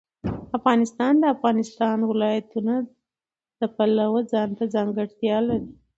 افغانستان د د افغانستان ولايتونه د پلوه ځانته ځانګړتیا لري.